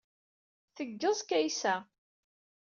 Teggez Kaysa.